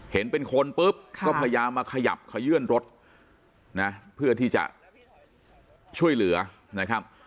เห็นเป็นคนปุ๊บก็พยายามมาขยับขยื่นรถนะเพื่อที่จะช่วยเหลือนะครับ